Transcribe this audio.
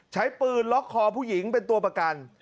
ใช้ปืนล็อกคอผู้หญิงเป็นตัวประกัน